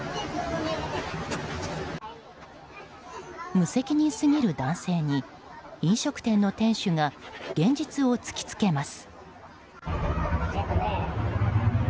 無責任すぎる男性に飲食店の店主が現実を突きつけます。